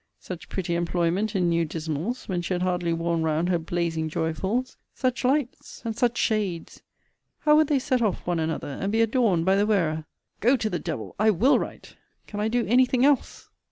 Such pretty employment in new dismals, when she had hardly worn round her blazing joyfuls! Such lights, and such shades! how would they set off one another, and be adorned by the wearer! Go to the devil! I will write! Can I do anything else?